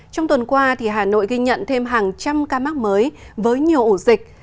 trong tuần qua hà nội ghi nhận thêm hàng trăm ca mắc mới với nhiều ổ dịch